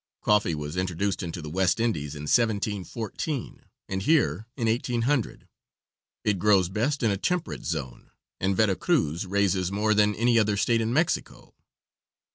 Coffee was introduced into the West Indies in 1714, and here in 1800. It grows best in a temperate zone, and Vera Cruz raises more than any other state in Mexico.